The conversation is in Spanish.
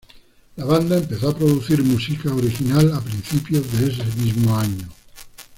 La banda empezó a producir música original a principios de ese mismo año.